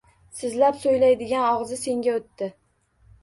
Sizlab so‘ylaydigan og‘zi senga o‘tdi